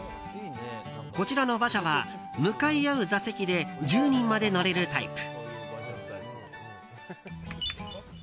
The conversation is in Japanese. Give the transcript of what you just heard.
こちらの馬車は向かい合う座席で１０人まで乗れるタイプ。